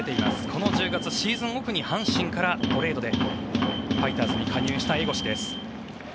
この１０月シーズンオフに阪神からトレードでファイターズに加入した江越です。